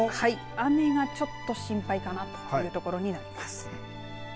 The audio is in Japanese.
雨がちょっと心配かなというところになっています。